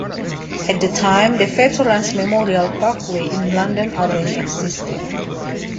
At the time, the Veterans Memorial Parkway in London already existed.